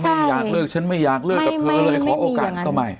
ไม่อยากเลิกฉันไม่อยากเลิกกับเขาเลยไม่ไม่ไม่มีอย่างนั้นก็ไม่